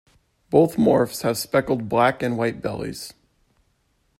Both morphs have speckled black and white bellies.